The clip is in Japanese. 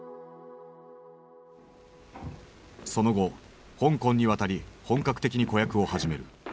その後香港に渡り本格的に子役を始める。